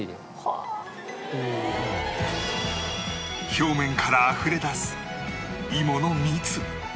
表面からあふれ出す芋の蜜